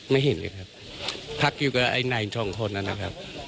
ไม่เห็นเลยครับพักอยู่กับไอ้นายทองทนนะครับ